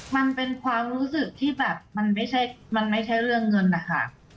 มันเป็นความรู้สึกที่แบบไม่ใช่เรื่องเงินนะคะ